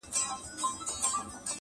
o په ناسته غمبر نه کېږي٫